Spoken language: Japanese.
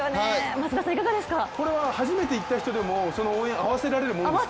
これは初めて行った人でも応援、合わせられるものですか？